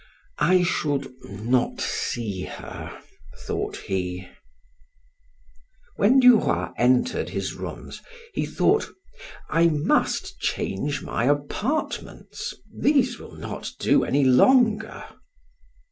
"I should not see her," thought he. When Duroy entered his rooms he thought: "I must change my apartments; these will not do any longer."